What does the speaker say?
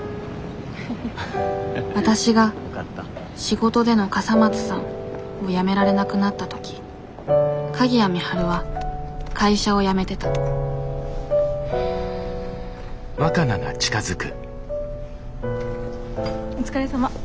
わたしが「仕事での笠松さん」をやめられなくなった時鍵谷美晴は会社を辞めてたお疲れさま。